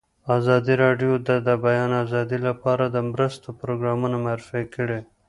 ازادي راډیو د د بیان آزادي لپاره د مرستو پروګرامونه معرفي کړي.